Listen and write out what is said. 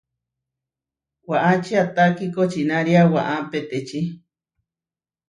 Waʼčiátta kikočinária waʼá petečí.